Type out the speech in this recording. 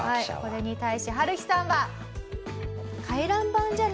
これに対しハルヒさんは。